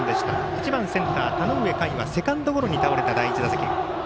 １番センター田上夏衣はセカンドゴロに倒れた第１打席。